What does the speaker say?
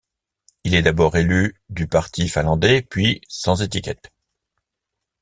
Il est d'abord élu du Parti finlandais, puis sans étiquette.